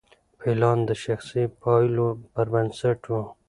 پلان د شخصي پایلو پر بنسټ و.